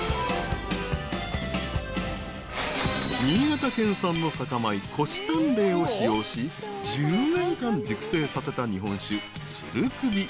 ［新潟県産の酒米越淡麗を使用し１０年間熟成させた日本酒鶴首］